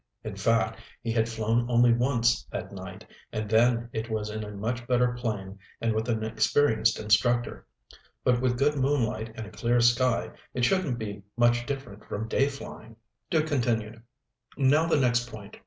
In fact, he had flown only once at night, and then it was in a much better plane and with an experienced instructor. But with good moonlight and a clear sky, it shouldn't be much different from day flying. Duke continued. "Now the next point.